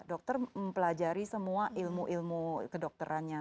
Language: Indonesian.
dokter mempelajari semua ilmu ilmu kedokterannya